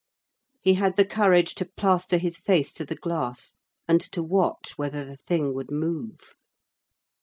He had the courage to plaster his face to the glass, and to watch whether the thing would move.